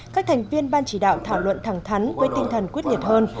các thành viên ban chỉ đạo thảo luận thẳng thắn với tinh thần quyết liệt hơn